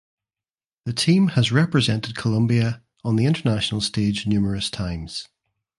The team has represented Colombia on the international stage numerous times.